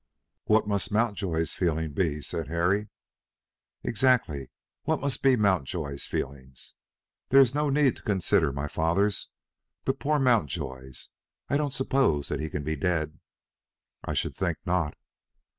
"What must Mountjoy's feelings be!" said Harry. "Exactly; what must be Mountjoy's feelings! There is no need to consider my father's, but poor Mountjoy's! I don't suppose that he can be dead." "I should think not."